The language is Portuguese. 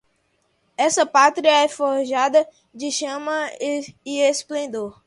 Essa pátria é forjada de chama e esplendor